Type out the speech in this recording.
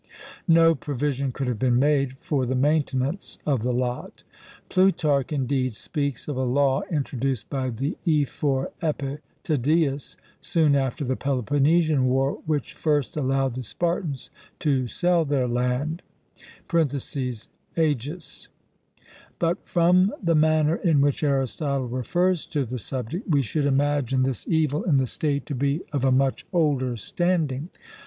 no provision could have been made for the maintenance of the lot. Plutarch indeed speaks of a law introduced by the Ephor Epitadeus soon after the Peloponnesian War, which first allowed the Spartans to sell their land (Agis): but from the manner in which Aristotle refers to the subject, we should imagine this evil in the state to be of a much older standing.